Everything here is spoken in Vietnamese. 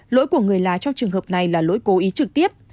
lỗi của người là trong trường hợp này là lỗi cố ý trực tiếp